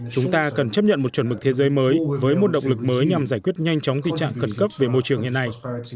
chúng ta cần chấp nhận một chuẩn mực thế giới mới với một động lực mới nhằm giải quyết nhanh chóng tình trạng khẩn cấp về môi trường hiện nay